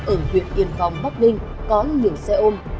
ở huyện yên phong bắc ninh có nhiều xe ôm